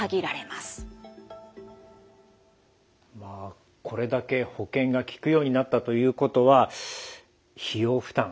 まあこれだけ保険がきくようになったということは費用負担